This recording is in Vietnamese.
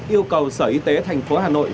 yêu cầu sở y tế tp hà nội